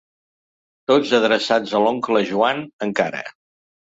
Tots adreçats a l'oncle Joan, encara.